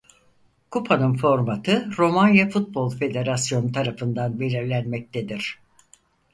Kupanın formatı Romanya Futbol Federasyonu tarafından belirlenmektedir.